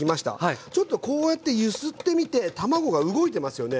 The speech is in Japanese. ちょっとこうやって揺すってみて卵が動いてますよね。